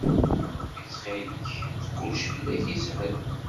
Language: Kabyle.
A Ṛebbi ttxil-k kullec fell-ak yeshel.